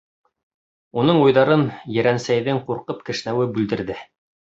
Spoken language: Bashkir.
Уның уйҙарын Ерәнсәйҙең ҡурҡып кешнәүе бүлдерҙе.